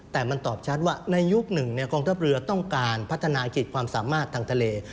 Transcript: แต่มันตอบชัดว่าในยุคหนึ่งกองทัพเรือต้องการพัฒนาขีดความสามารถทางทะเล